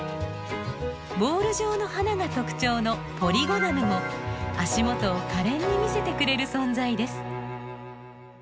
ボール状の花が特徴のポリゴナムも足元をかれんに見せてくれる存在です。